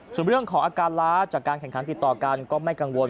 ส่วนเรื่องของอาการล้าจากการแข่งขันติดต่อกันก็ไม่กังวล